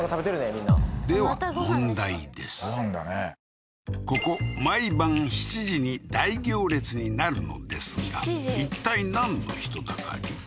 みんなではここ毎晩７時に大行列になるのですがいったい何の人だかり？